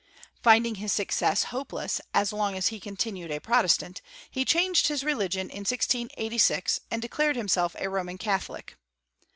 Finding his success hope less, as long as he continued a protestant, he changed his religion in 1686, and declared himself a Roman catholic.